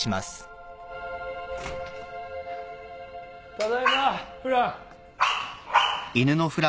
ただいまフラン。